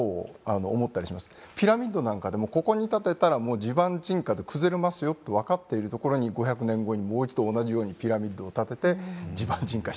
ピラミッドなんかでもここに建てたら地盤沈下で崩れますよと分かっている所に５００年後にもう一度同じようにピラミッドを建てて地盤沈下しちゃうとかですね。